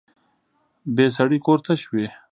بې سړي کور تش وي